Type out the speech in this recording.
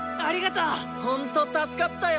ホント助かったよ！